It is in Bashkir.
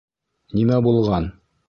Нимә булған?